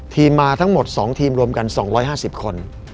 มาทั้งหมด๒ทีมรวมกัน๒๕๐คน